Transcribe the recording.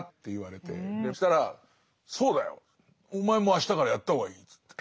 そしたら「そうだよ。お前もあしたからやった方がいい」って言って。